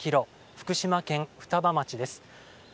福島県双葉町です。